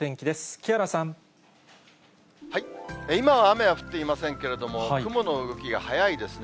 木原さん、今は雨は降っていませんけれども、雲の動きが速いですね。